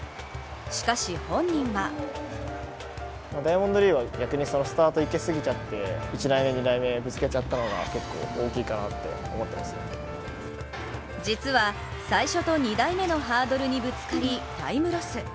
しかし本人は実は、最初と２台目のハードルにぶつかりタイムロス。